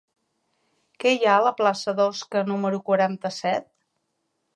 Què hi ha a la plaça d'Osca número quaranta-set?